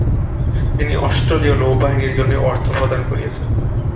তিনি অস্ট্রেলীয় নৌবাহিনীর জন্যও অর্থ প্রদান করেছেন।